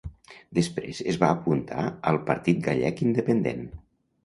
Després es va apuntar al Partit Gallec Independent.